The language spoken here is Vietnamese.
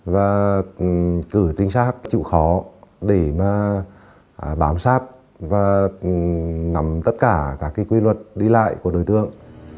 và cử tính xác chịu khó để mà bám sát và nắm tất cả các cái quy luật đi lại của đối tượng